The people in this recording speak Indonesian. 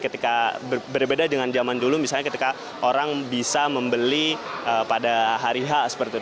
ketika berbeda dengan zaman dulu misalnya ketika orang bisa membeli pada hari h seperti itu